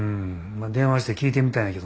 あ電話して聞いてみたんやけどな